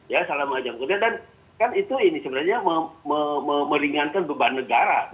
ya selama jam kerja dan kan itu ini sebenarnya meringankan beban negara